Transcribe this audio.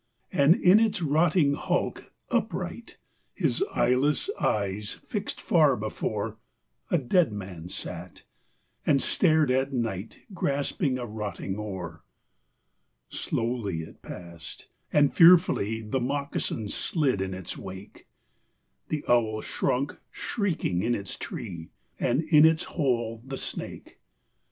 And in its rotting hulk, upright, His eyeless eyes fixed far before, A dead man sat, and stared at night, Grasping a rotting oar. Slowly it passed; and fearfully The moccasin slid in its wake; The owl shrunk shrieking in its tree; And in its hole the snake.